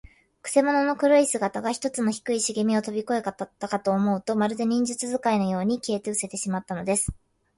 くせ者の黒い姿が、ひとつの低いしげみをとびこしたかと思うと、まるで、忍術使いのように、消えうせてしまったのです。